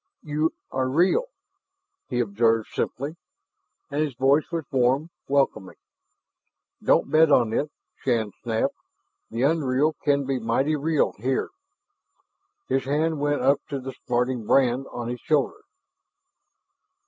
"You are real," he observed simply, and his voice was warm, welcoming. "Don't bet on it," Shann snapped. "The unreal can be mighty real here." His hand went up to the smarting brand on his shoulder.